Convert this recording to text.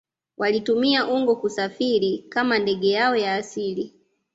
Walitumia ungo kusafiria kama ndege yao ya asili